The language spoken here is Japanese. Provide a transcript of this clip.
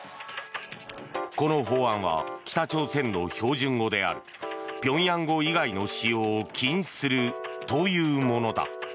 この法案は北朝鮮の標準語である平壌語以外の使用を禁止するというものだ。